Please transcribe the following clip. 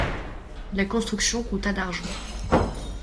La construction coûta d'argent.